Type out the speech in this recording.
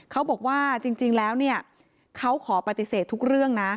เขาบอกว่าจริงแล้วเนี่ยเขาขอปฏิเสธทุกเรื่องนะ